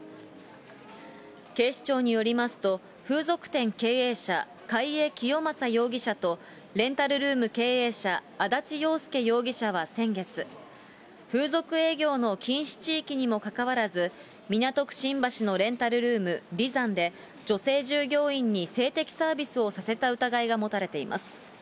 警視庁によりますと、風俗店経営者、貝江清正容疑者とレンタルルーム経営者、安達洋介容疑者は先月、風俗営業の禁止地域にもかかわらず、港区新橋のレンタルルーム、リザンで女性従業員に性的サービスをさせた疑いが持たれています。